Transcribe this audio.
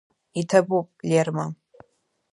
Иҭабуп, Лерма!